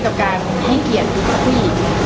กับการให้เกียรติกับผู้หญิง